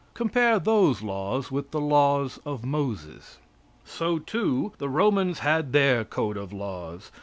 Compare those laws with the laws of Moses. So, too, the Romans had their code of laws.